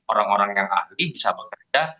orang orang yang ahli bisa bekerja